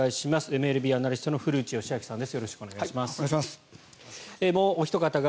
ＭＬＢアナリストの古内義明さんです。